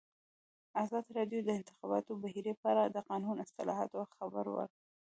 ازادي راډیو د د انتخاباتو بهیر په اړه د قانوني اصلاحاتو خبر ورکړی.